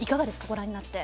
ご覧になって。